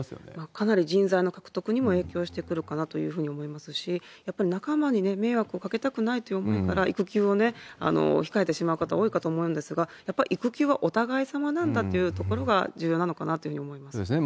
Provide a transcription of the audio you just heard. かなり人材の獲得にも影響してくるかなというふうに思いますし、やっぱり仲間に迷惑をかけたくないという思いから、育休を控えてしまう方多いかと思うんですが、やっぱ育休はお互いさまなんだというところが重要なのかなと思いそうですね。